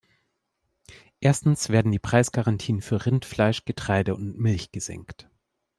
Erstens werden die Preisgarantien für Rindfleisch, Getreide und Milch gesenkt.